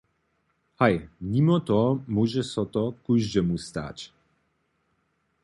Haj, nimo toho móže so to kóždemu stać.